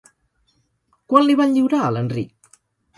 Quan l'hi van lliurar, a l'Enric?